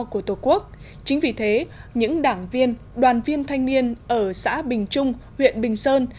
của tổ quốc chính vì thế những đảng viên đoàn viên thanh niên ở xã bình trung huyện bình sơn